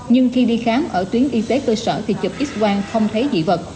nhưng khi đi khám ở tuyến y tế cơ sở thì chụp x quang không thấy dị vật